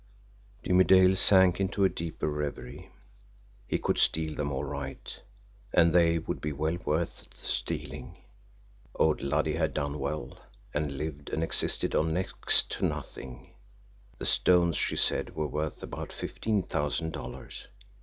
Jimmie Dale sank into a deeper reverie. He could steal them all right, and they would be well worth the stealing old Luddy had done well, and lived and existed on next to nothing the stones, she said, were worth about fifteen thousand dollars.